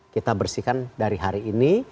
kita bersihkan dari hari ini